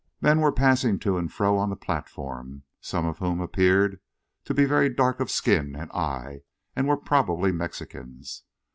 Men were passing to and fro on the platform, some of whom appeared to be very dark of skin and eye, and were probably Mexicans.